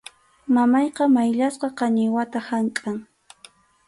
Mamayqa mayllasqa qañiwata hamkʼan.